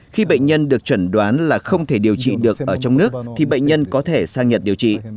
khi bệnh nhân được chuẩn đoán là không thể điều trị được ở trong nước thì bệnh nhân có thể sang nhật điều trị